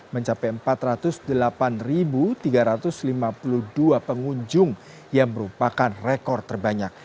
mencapai empat ratus delapan tiga ratus lima puluh dua pengunjung yang merupakan rekor terbanyak